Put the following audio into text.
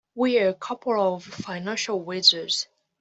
We're a couple of financial wizards.